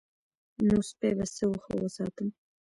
نو سپی به څه ښه وساتم.